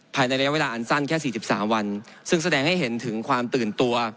ภายในระยะเวลาอันสั้นแค่๔๓วันซึ่งแสดงให้เห็นถึงความตื่นตัว